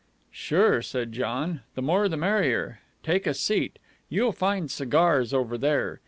"Sure!" said John. "The more the merrier. Take a seat. You'll find cigars over there.